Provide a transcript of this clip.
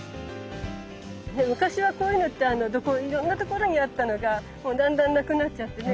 昔はこういうのっていろんなところにあったのがもうだんだんなくなっちゃってね